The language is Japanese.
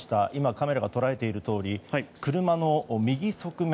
カメラが捉えているとおり車の右側面